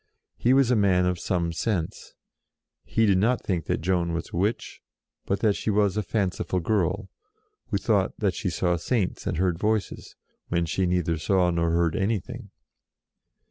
He was a man of some sense; he did not think that Joan was a witch, but that she was a fanciful girl, who thought that she saw Saints and heard Voices, when she neither saw nor heard anything.